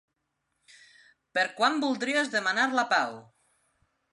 Per quan voldries demanar la pau?